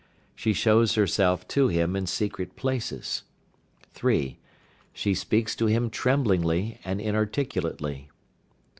She shows herself to him in secret places. 3. She speaks to him tremblingly and inarticulately.